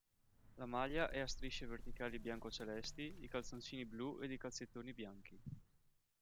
La maglia è a strisce verticali bianco-celesti, i calzoncini blu ed i calzettoni bianchi.